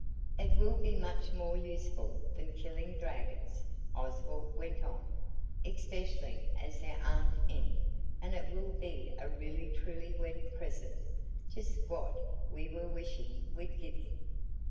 "It will be much more useful than killing dragons," Oswald went on, "especially as there aren't any; and it will be a really truly wedding present–just what we were wishing we'd given him."